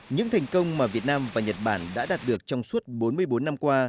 những thành công mà việt nam và nhật bản đã đạt được trong suốt bốn mươi bốn năm qua